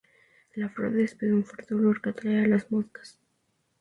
La flor despide un fuerte olor que atrae a las moscas.